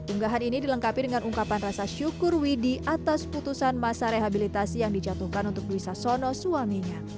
unggahan ini dilengkapi dengan ungkapan rasa syukur widhi atas putusan masa rehabilitasi yang dijatuhkan untuk dwi sasono suaminya